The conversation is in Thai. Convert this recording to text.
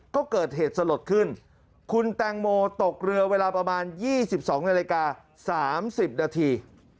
ก็เกิดเหตุสลดขึ้นคุณแตงโมตกเรือเวลาประมาณ๒๒นาฬิกา๓๐นาที